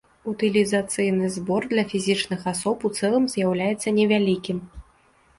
Утылізацыйны збор для фізічных асоб у цэлым з'яўляецца невялікім.